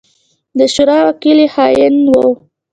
د شورا وکيل يې خائن وو.